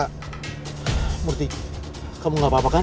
hai murid kamu nggak apa apa kan